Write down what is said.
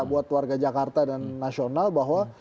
buat warga jakarta dan nasional bahwa